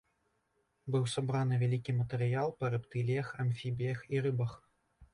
Быў сабраны вялікі матэрыял па рэптыліях, амфібіях і рыбах.